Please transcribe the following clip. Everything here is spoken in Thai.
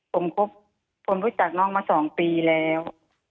ผมคบผมรู้จักน้องมา๒ปีแล้ว